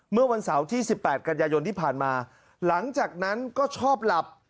เมื่อวันเสาร์ที่๑๘กันยายนที่ผ่านมาหลังจากนั้นก็ชอบหลับ